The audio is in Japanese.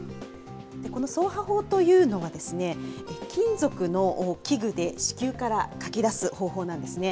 このそうは法というのはですね、金属の器具で子宮からかき出す方法なんですね。